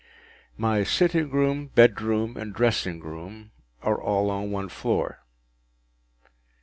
My sitting room, bedroom, and dressing room, are all on one floor.